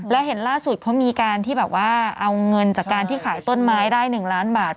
และเห็นล่าสุดเขามีการที่แบบว่าเอาเงินจากการที่ขายต้นไม้ได้๑ล้านบาท